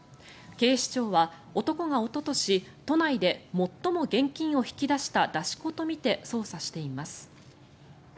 警視庁は、男がおととし都内で最も現金を引き出した出し子とみて捜査しています。